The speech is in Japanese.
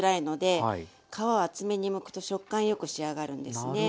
皮を厚めにむくと食感よく仕上がるんですね。